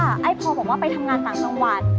ไอ้พอบอกว่าไปทำงานต่างจังหวัด